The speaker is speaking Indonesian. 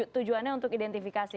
tujuannya untuk identifikasi